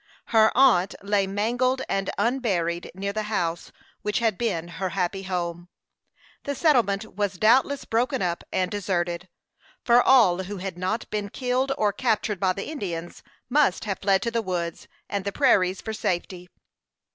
Her aunt lay mangled and unburied near the house which had been her happy home. The settlement was doubtless broken up and deserted; for all who had not been killed or captured by the Indians must have fled to the woods and the prairies for safety.